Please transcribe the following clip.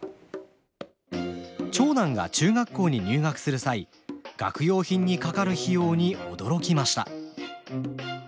長男が中学校に入学する際学用品にかかる費用に驚きました。